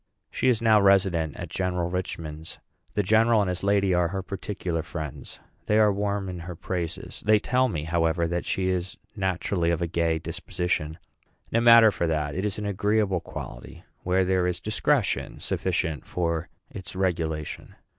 She is now resident at General Richman's. The general and his lady are her particular friends; they are warm in her praises. They tell me, however, that she is naturally of a gay disposition. No matter for that; it is an agreeable quality, where there is discretion sufficient for its regulation.